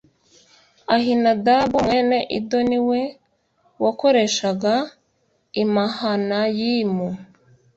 Ahinadabu mwene Ido ni we wakoreshaga i Mahanayimu